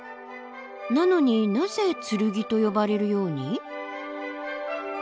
なのになぜ「剣」と呼ばれるように？